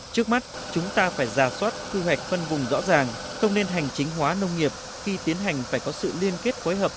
trước mắt chúng ta phải giả soát quy hoạch phân vùng rõ ràng không nên hành chính hóa nông nghiệp khi tiến hành phải có sự liên kết phối hợp